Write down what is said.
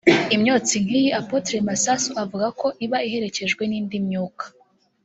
Imyotsi nk'iyi Apotre Masasu avuga ko iba iherekejwe n'indi myuka